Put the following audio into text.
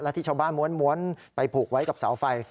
ที่ชาวบ้านม้วนไปผูกไว้กับเสาไฟ